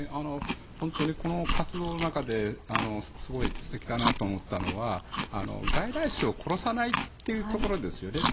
この活動の中ですごい素敵だなと思ったのは外来種を殺さないっていうところですよね。